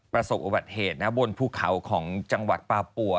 ประสบอุบัติเหตุนะบนภูเขาของจังหวัดปลาปัว